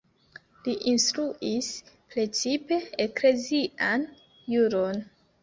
Li instruis precipe eklezian juron.